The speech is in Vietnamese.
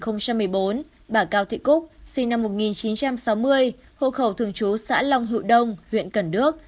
năm hai nghìn một mươi bốn bà cao thị cúc sinh năm một nghìn chín trăm sáu mươi hộ khẩu thường trú xã long hữu đông huyện cần đước